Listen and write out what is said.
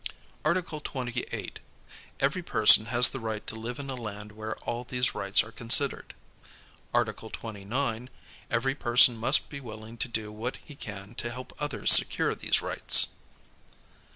Article 28. Every person has the right to live in a land where all tliese rights are considered. Article 29. Every person must be willing to do what he can to help others secure these rights.